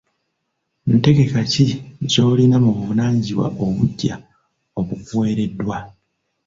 Ntegeka ki z'olina mu buvunaanyizibwa obuggya obukuwereddwa?